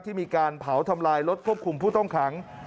ที่มีการเผาทำลายรถควบคุมผู้ต้องขัง